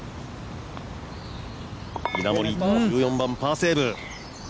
稲森、１４番、パーセーブ。